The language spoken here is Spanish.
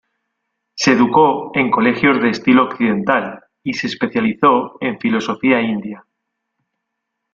Se educó en colegios de estilo occidental y se especializó en filosofía india.